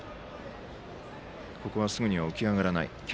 ここはすぐに起き上がれない。